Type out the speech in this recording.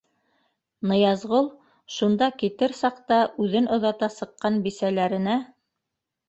Ныязғол шунда китер саҡта үҙен оҙата сыҡҡан бисәләренә: